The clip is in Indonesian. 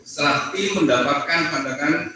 setelah kami mendapatkan pandangan